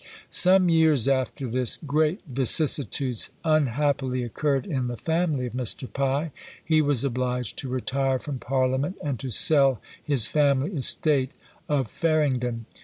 Some years after this, great vicissitudes unhappily occurred in the family of Mr. Pye. He was obliged to retire from Parliament, and to sell his family estate of Faringdon.